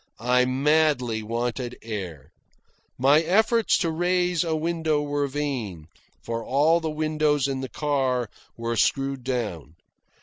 I madly wanted air. My efforts to raise a window were vain, for all the windows in the car were screwed down.